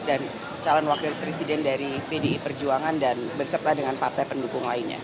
dan calon wakil presiden dari pdi perjuangan dan berserta dengan partai pendukung lainnya